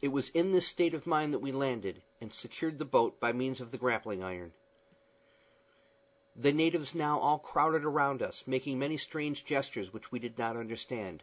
It was in this state of mind that we landed, and secured the boat by means of the grappling iron. The natives now all crowded around us, making many strange gestures, which we did not understand.